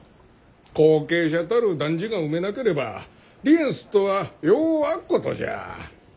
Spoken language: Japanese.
後継者たる男児が産めなければ離縁すっとはようあっことじゃ。